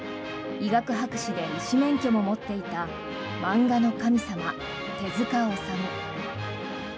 医学博士で医師免許も持っていた漫画の神様、手塚治虫。